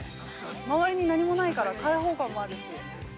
周りに何もないから開放感もあるし。